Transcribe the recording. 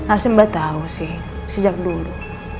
asli mbak tau sih sejak dulu